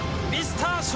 ミスター